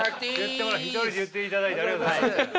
１人で言っていただいてありがとうございます。